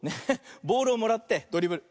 ボールをもらってドリブル。